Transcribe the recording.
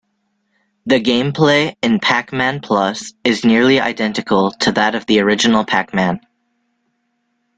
The gameplay in "Pac-Man Plus" is nearly identical to that of the original "Pac-Man".